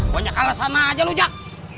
banyak alasan aja jack